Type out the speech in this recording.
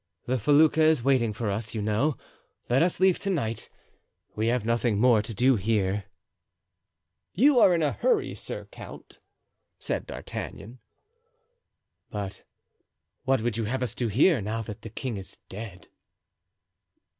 The felucca is waiting for us, you know; let us leave to night, we have nothing more to do here." "You are in a hurry, sir count," said D'Artagnan. "But what would you have us to do here, now that the king is dead?"